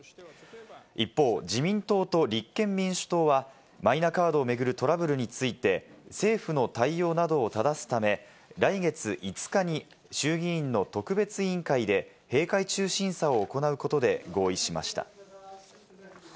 一方、自民党と立憲民主党は、マイナカードを巡るトラブルについて、政府の対応などをただすため、来月５日に衆議院の特別委員会で閉会中審査を行うことで合意しました。